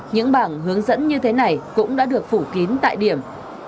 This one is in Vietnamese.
những bảng hướng dẫn như thế này cũng đã được phủ kín tại điểm